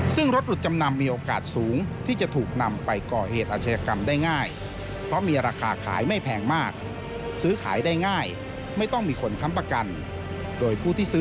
ซึ่งรถอุดจำนำมีโอกาสสูงที่จะถูกนำไปก่อเหตุอาชญกรรมได้ง่าย